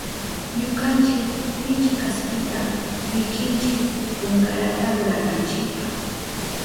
Ñukanchi lichi kaspita wikinchi punkarata rurananchipa.